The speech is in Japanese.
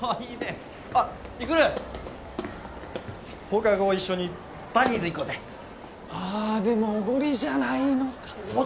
放課後一緒にバニーズ行こうぜああでもおごりじゃないのかー